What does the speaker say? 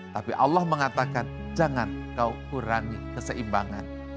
tapi allah mengatakan jangan kau kurangi keseimbangan